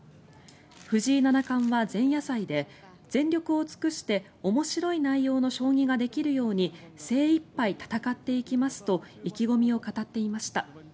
藤井七冠は前夜祭で全力を尽くして面白い内容の将棋ができるように精いっぱい戦っていきますと意気込みを語っていました。